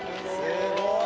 すごい。